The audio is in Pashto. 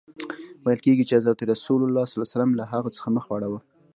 ویل کیږي چي حضرت رسول ص له هغه څخه مخ واړاوه.